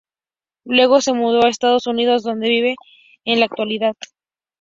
Luego se mudó a Estados Unidos, donde vive en la actualidad.